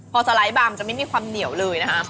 พอสไลด์บาร์มันจะไม่มีความเหนียวเลยนะคะ